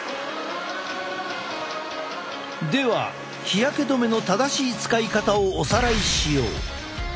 では日焼け止めの正しい使い方をおさらいしよう。